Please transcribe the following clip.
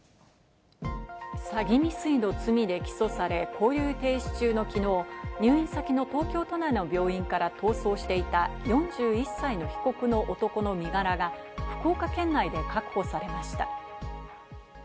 詐欺未遂の罪で起訴され、勾留停止中の昨日、入院先の東京都内の病院から逃走していた４１歳の被告の男の身柄が福岡県内で確保されました。